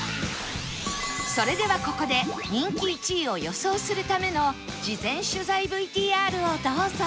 それではここで人気１位を予想するための事前取材 ＶＴＲ をどうぞ